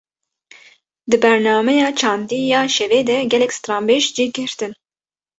Di bernameya çandî ya şevê de gelek stranbêj cih girtin